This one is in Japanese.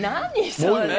それ。